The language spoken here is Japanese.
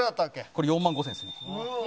これ４万５０００円ですね。